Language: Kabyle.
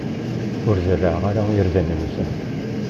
Ur zerreɛ ara irden-nsen.